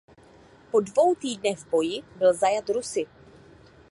Po dvou týdnech v boji byl zajat Rusy.